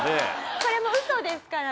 これもウソですからね。